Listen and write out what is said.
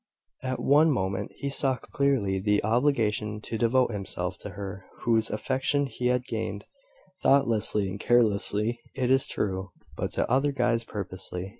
At one moment he saw clearly the obligation to devote himself to her whose affections he had gained, thoughtlessly and carelessly, it is true, but to other eyes purposely.